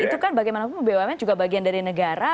itu kan bagaimanapun bumn juga bagian dari negara